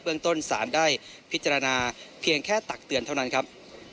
เรื่องต้นสารได้พิจารณาเพียงแค่ตักเตือนเท่านั้นครับ